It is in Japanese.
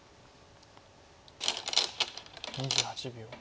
２８秒。